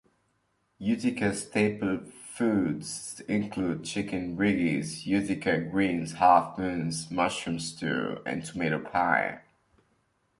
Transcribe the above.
Utica staple foods include chicken riggies, Utica greens, half-moons, mushroom stew, and tomato pie.